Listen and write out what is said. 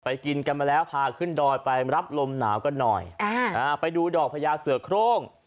กินกันมาแล้วพาขึ้นดอยไปรับลมหนาวกันหน่อยอ่าไปดูดอกพญาเสือโครง